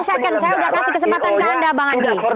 saya sudah kasih kesempatan ke anda bang andi